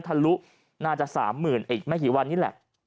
ทะลุน่าจะสามหมื่นแบบอีกไม่กี่วันนี่แหละ